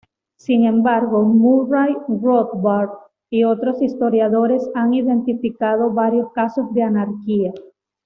Sin embargo, Murray Rothbard y otros historiadores han identificado varios casos de anarquía.